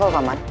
ada apa bapak